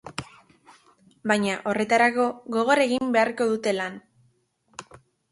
Baina, horretarako, gogor egin beharko dute lan.